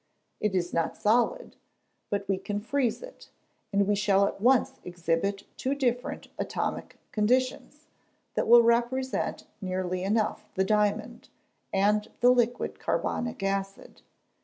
It is not solid but we can freeze it, and we shall at once exhibit two different atomic conditions, that will represent nearly enough the diamond, and the liquid carbonic acid.